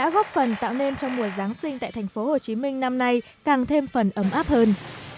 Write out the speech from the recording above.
giáng sinh tại thành phố hồ chí minh năm nay càng thêm phần ấm áp hơn